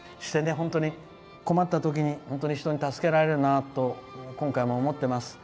本当に困ったときに人に助けられるなと今回も思っています。